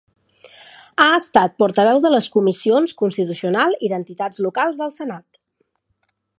Ha estat portaveu de les comissions Constitucional i d'Entitats Locals del Senat.